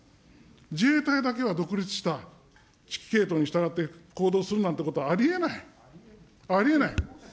自衛隊だけは独立した指揮系統に従って行動するなんてことはありえない、ありえない。